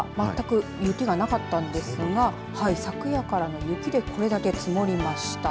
きのうは全く雪がなかったんですが昨夜からの雪でこれだけ積もりました。